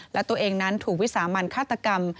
และตัวเองนั้นถูกวิสามันฆาตกรรม